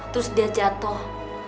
terus dia jatuh